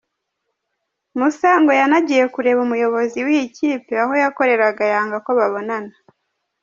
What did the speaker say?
Musa ngo yanagiye kureba umuyobozi w’iyi kipe aho yakoreraga yanga ko babonana.